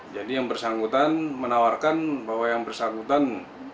jadi yang bersangkutan menawarkan bahwa yang bersangkutan